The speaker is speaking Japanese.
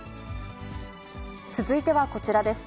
続いてはこちらです。